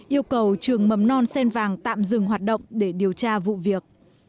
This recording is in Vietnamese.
yêu cầu trường mầm non sen vàng tạm dừng hoạt động để điều tra vụ việc